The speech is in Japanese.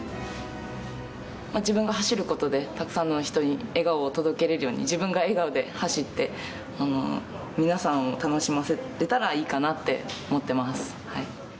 自分が走ることで、たくさんの人に笑顔を届けられるように、自分が笑顔で走って、皆さんを楽しませたらいいかなって思ってます。